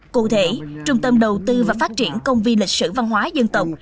cụ thể trung tâm đầu tư và phát triển công viên lịch sử văn hóa dân tộc